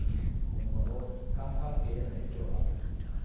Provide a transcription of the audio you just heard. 今後の日韓関係への影響は。